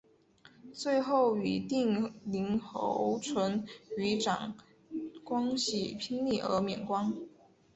最后与定陵侯淳于长关系亲密而免官。